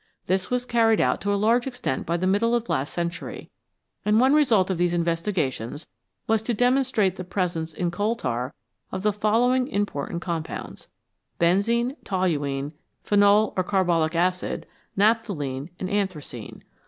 This was carried out to a large extent by the middle of last century, and one result of these investi gations was to demonstrate the presence in coal tar of the following important compounds : benzene, toluene, phenol or carbolic acid, naphthalene, and anthracene.